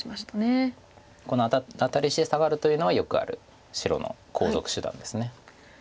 このアタリしてサガるというのはよくある白の後続手段です。